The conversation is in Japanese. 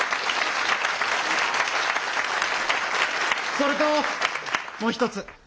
それともう一つ。